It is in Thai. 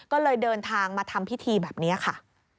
ก็เลยเดินทางมาทำพิธีแบบนี้ค่ะ